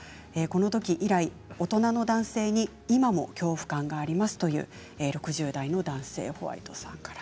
このとき以来、大人の男性に今も恐怖感がありますという６０代の男性です。